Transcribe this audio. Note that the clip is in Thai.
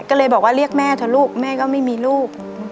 ก็เลยบอกว่าเรียกแม่เถอะลูกแม่ก็ไม่มีลูก